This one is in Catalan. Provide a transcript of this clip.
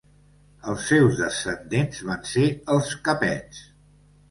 Els seus descendents van ser els capets.